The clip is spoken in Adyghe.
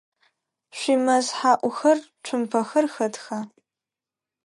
Шъуимэз хьаӏухэр, цумпэхэр хэтха?